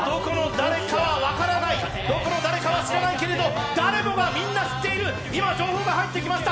今はどこの誰かは知らないけれど、誰もがみんな知っている、今情報が入ってきました。